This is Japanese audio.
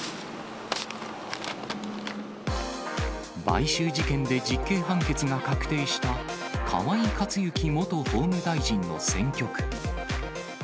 買収事件で実刑判決が確定した、河井克行元法務大臣の選挙区。